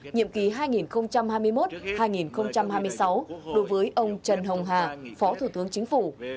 nhiệm kỳ hai nghìn hai mươi một hai nghìn hai mươi sáu đối với ông trần hồng hà phó thủ tướng chính phủ